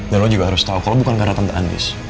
dan lo juga harus tahu kalau bukan karena tante andis